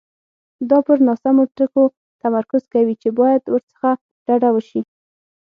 دا پر ناسمو ټکو تمرکز کوي چې باید ورڅخه ډډه وشي.